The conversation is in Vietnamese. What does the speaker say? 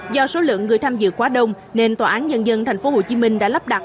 do số lượng người tham dự quá đông nên tòa án nhân dân tp hcm đã lắp đặt